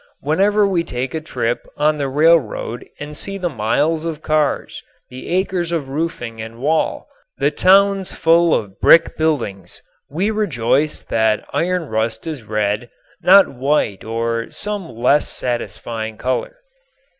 Whenever we take a trip on the railroad and see the miles of cars, the acres of roofing and wall, the towns full of brick buildings, we rejoice that iron rust is red, not white or some leas satisfying color.